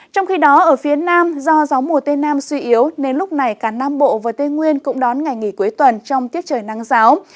trong khi đó ở phía nam do gió mùa tây nam suy yếu nên lúc này cả nam bộ và tây nguyên cũng đón ngày nghỉ cuối tuần trong tiết trời nắng giáo